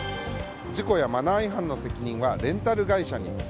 事故やマナー違反の責任はレンタル会社に。